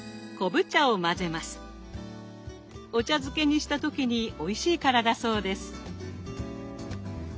お茶漬けにした時においしいからだそうです。